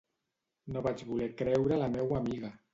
No vaig voler creure la meua amiga.